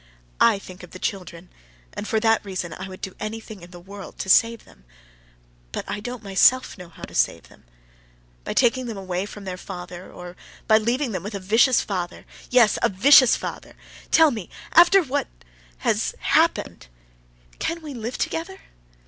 "I think of the children, and for that reason I would do anything in the world to save them, but I don't myself know how to save them. By taking them away from their father, or by leaving them with a vicious father—yes, a vicious father.... Tell me, after what ... has happened, can we live together?